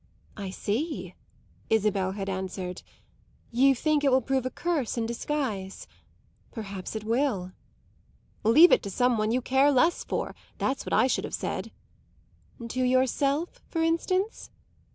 "I see," Isabel had answered. "You think it will prove a curse in disguise. Perhaps it will." "Leave it to some one you care less for that's what I should have said." "To yourself for instance?"